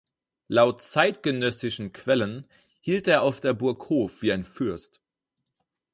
Laut zeitgenössischen Quellen hielt er auf der Burg Hof wie ein Fürst.